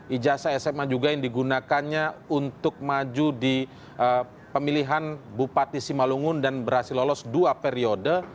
ijazah sma juga yang digunakannya untuk maju di pemilihan bupati simalungun dan berhasil lolos dua periode